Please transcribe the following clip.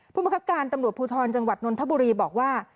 มังคับการตำรวจภูทรจังหวัดนนทบุรีบอกว่า